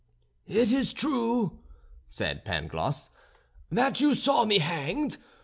"It is true," said Pangloss, "that you saw me hanged.